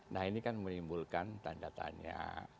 nah ini kan menimbulkan tanda tanya